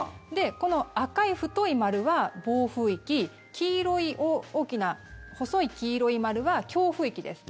この赤い太い丸は暴風域黄色い大きな細い黄色い丸は強風域です。